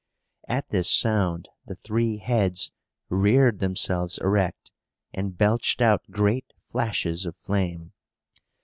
At this sound the three heads reared themselves erect, and belched out great flashes of flame.